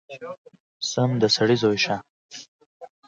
سم د سړي زوی شه!!!